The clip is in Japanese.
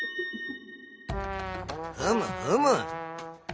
ふむふむ。